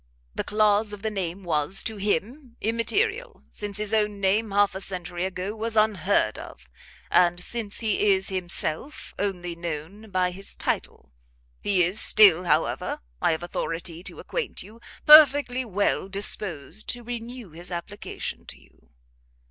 The clause of the name was, to him, immaterial; since his own name half a century ago was unheard of, and since he is himself only known by his title. He is still, however, I have authority to acquaint you, perfectly well disposed to renew his application to you."